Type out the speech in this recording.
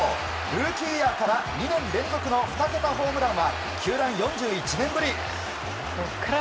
ルーキーイヤーから２年連続の２桁ホームランは球団４１年ぶり。